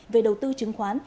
về đầu tư chứng khoán